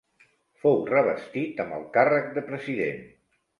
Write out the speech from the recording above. Fou revestit amb el càrrec de president.